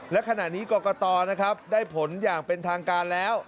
และขณะนี้กรกตนะครับได้ผลอย่างเป็นทางการแล้ว